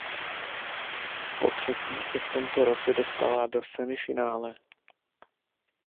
Potřetí se v tomto roce dostala do semifinále.